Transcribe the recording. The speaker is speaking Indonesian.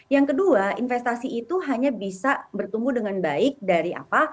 yang kedua investasi itu hanya bisa bertumbuh dengan baik dari apa